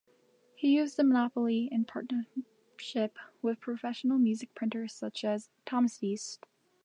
He used the monopoly in partnership with professional music printers such as Thomas East.